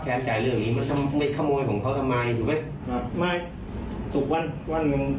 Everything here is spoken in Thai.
เปลี่ยงเขามันไปโอ้โฮมันลบไปนั่น